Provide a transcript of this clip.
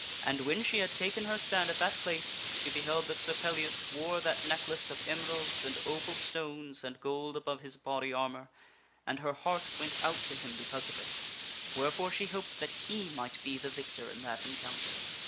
And when she had taken her stand at that place she beheld that Sir Pellias wore that neck lace of emeralds and opal stones and gold above his body armor, and her heart went out to him because of it, wherefore she hoped that he might be the victor in that encounter.